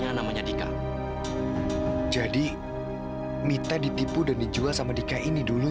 saya membawa penjualan hidangan sekarang dan jika yang ada di bildu elders